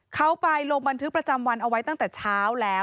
เขาไปลงบันทึกประจำวันเอาไว้ตั้งแต่เช้าแล้ว